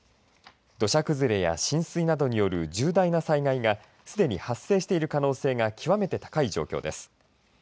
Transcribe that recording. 土砂崩れや浸水などによる重大な災害がすでに発生している可能性が極めて高い状況です。